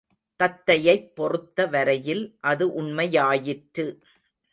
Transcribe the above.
தத்தையைப் பொறுத்த வரையில் அது உண்மையாயிற்று.